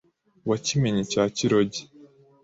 Wa Kimenyi cya Kiroge